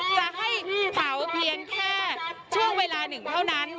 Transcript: จะให้เผาเพียงแค่ช่วงเวลาหนึ่งเท่านั้น